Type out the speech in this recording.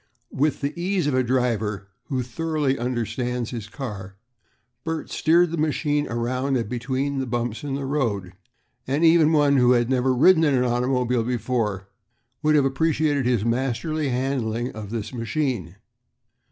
With the ease of a driver who thoroughly understands his car, Bert steered the machine around and between the bumps in the road, and even one who had never ridden in an automobile before would have appreciated his masterly handling of this machine.